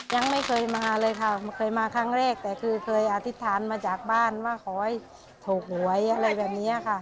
ยังไม่เคยมาเลยค่ะเคยมาครั้งแรกแต่คือเคยอธิษฐานมาจากบ้านว่าขอให้ถูกหวยอะไรแบบนี้ค่ะ